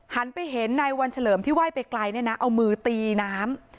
ไปเห็นนายวันเฉลิมที่ไหว้ไปไกลเนี่ยนะเอามือตีน้ำ